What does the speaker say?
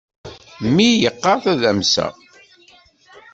Mmi yeqqar tadamsa.